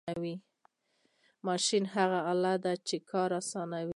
ماشین هغه آله ده چې کار آسانوي.